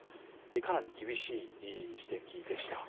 かなり厳しい指摘でした。